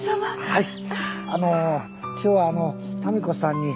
はい。